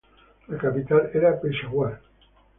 La capital era Peshawar.